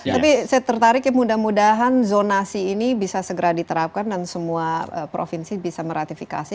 tapi saya tertarik ya mudah mudahan zonasi ini bisa segera diterapkan dan semua provinsi bisa meratifikasi